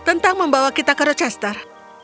tentang membawa kita ke rechester